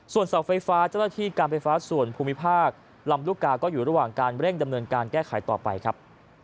ส่วนเสาไฟฟ้าเจ้าหน้าที่การไฟฟ้าส่วนภูมิภาคลำลูกกาก็อยู่ระหว่างการเร่งดำเนินการแก้ไขต่อไปครับ